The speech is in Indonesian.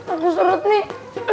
aku serut nih